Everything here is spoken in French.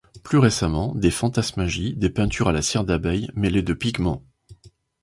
Plus récemment, des fantasmagies, des peintures à la cire d'abeille mêlée de pigments.